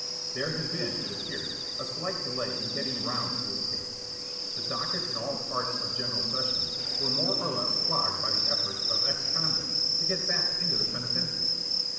There had been, it appears, a slight delay in getting 'round to his case. The dockets in all Parts of General Sessions were more or less clogged by the efforts of ex convicts to get back into the penitentiary.